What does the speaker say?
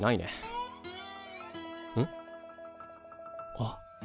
あっ。